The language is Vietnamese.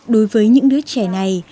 đối với những đứa trẻ này